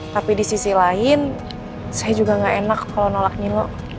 tapi di sisi lain saya juga gak enak kalau nolak nimo